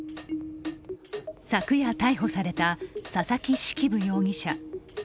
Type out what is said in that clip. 昨夜、逮捕された佐々木式部容疑者。